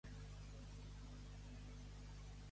Et trauré del món i et duré a Albelda!